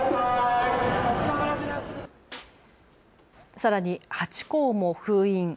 さらにハチ公も封印。